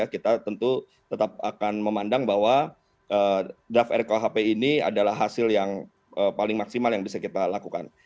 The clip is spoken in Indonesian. kita tentu tetap akan memandang bahwa draft rkuhp ini adalah hasil yang paling maksimal yang bisa kita lakukan